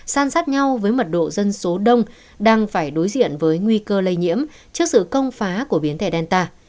san sát nhau với mật độ dân số đông đang phải đối diện với nguy cơ lây nhiễm trước sự công phá của biến thể delta